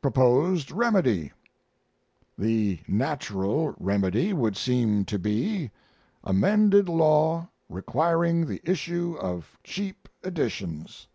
Proposed Remedy: The natural remedy would seem to be, amended law requiring the issue of cheap editions.